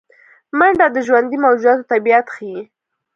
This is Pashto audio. منډه د ژوندي موجوداتو طبیعت ښيي